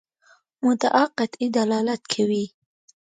مدعا قطعي دلالت کوي.